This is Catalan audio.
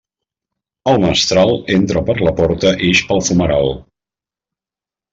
El mestral entra per la porta i ix pel fumeral.